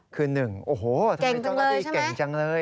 คือ๑โอ้โหเก่งจังเลย